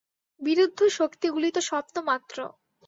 বিরুদ্ধ শক্তিগুলি তো স্বপ্ন মাত্র।